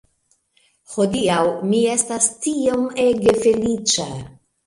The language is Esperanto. Hodiaŭ mi estas tiom ege feliĉa